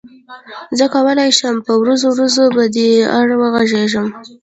زه کولای شم په ورځو ورځو په دې اړه وغږېږم.